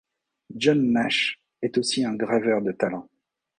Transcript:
John Nash est aussi un graveur de talent.